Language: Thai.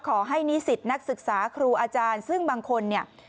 ขอให้นิสิตนักศึกษาครูอาจารย์ซึ่งบางคนเนี่ย